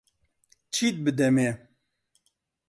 چیت بدەمێ؟